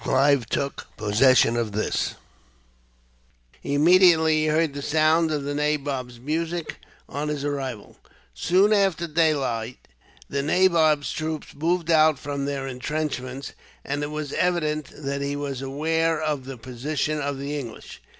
Clive took possession of this, immediately he heard the sound of the nabob's music, on his arrival. Soon after daylight, the nabob's troops moved out from their intrenchments, and it was evident that he was aware of the position of the English.